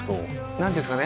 何て言うんですかね。